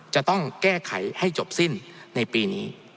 จะต้องแก้ไขให้จบสิ้นในปีนี้